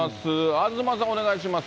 東さん、お願いします。